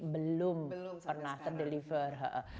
belum pernah terdeliver